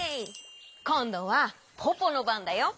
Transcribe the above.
こんどはポポのばんだよ。